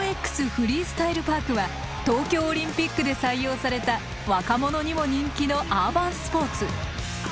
フリースタイルパークは東京オリンピックで採用された若者にも人気のアーバンスポーツ。